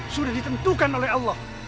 sudah ditentukan oleh allah